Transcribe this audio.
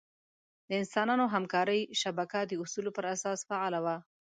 د انسانانو همکارۍ شبکه د اصولو پر اساس فعاله وه.